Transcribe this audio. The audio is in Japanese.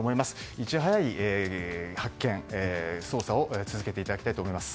いち早い発見、捜査を続けていただきたいと思います。